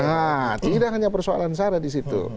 nah tidak hanya persoalan sarah di situ